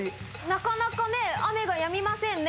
なかなか雨がやみませんね。